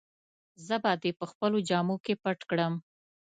زه به دي په خپلو جامو کي پټ کړم.